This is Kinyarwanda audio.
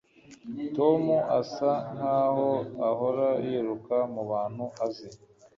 tom asa nkaho ahora yiruka mubantu azi